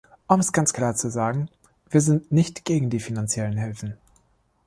Um es ganz klar zu sagen, wir sind nicht gegen die finanziellen Hilfen.